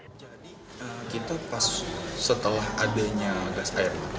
jadi kita pas setelah adanya gas air